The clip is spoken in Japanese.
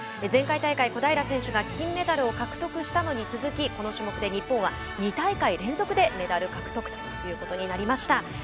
前回大会、小平選手が金メダルを獲得したのに続きこの種目で日本は２大会連続でメダル獲得ということになりました。